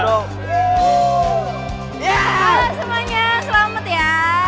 halo semuanya selamat ya